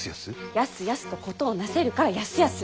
やすやすと事をなせるから泰康！